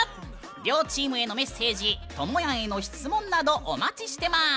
両チームへのメッセージともやんへの質問などお待ちしてます。